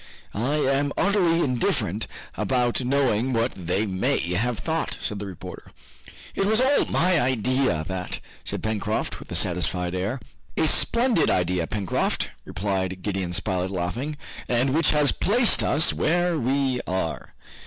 "I am utterly indifferent about knowing what they may have thought," said the reporter. "It was all my idea, that!" said Pencroft, with a satisfied air. "A splendid idea, Pencroft!" replied Gideon Spilett, laughing, "and which has placed us where we are."